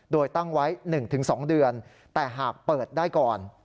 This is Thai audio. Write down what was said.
โดยตั้งไว้๑๒เดือนแต่หากเปิดได้ก่อน